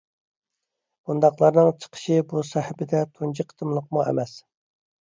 بۇنداقلارنىڭ چىقىشى بۇ سەھىپىدە تۇنجى قېتىملىقىمۇ ئەمەس.